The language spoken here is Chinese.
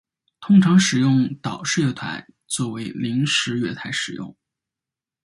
通常使用岛式月台作为临时月台使用。